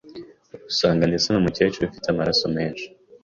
rusanga ndetse n'umukecuru afite amaraso menshi